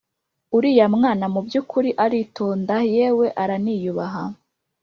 uriya mwana mubyukuri aritonda yewe araniyubaha